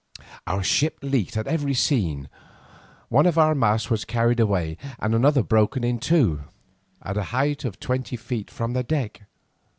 Our ship leaked at every seam, one of our masts was carried away, and another broken in two, at a height of twenty feet from the deck.